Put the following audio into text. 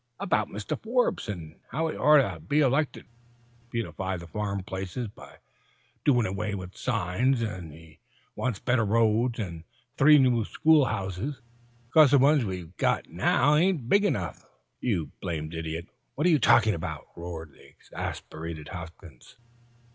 "About Mr. Forbes, and how he orter be elected. He wants to beautify the farm places by doin' away with signs, an' he wants better roads, an' three new school houses, 'cause the ones we've got now ain't big enough. An " "You blamed idiot! What are you talking about?" roared the exasperated Hopkins.